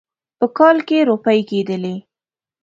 په کال کې روپۍ کېدلې.